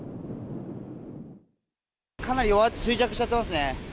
かなり衰弱しちゃってますね。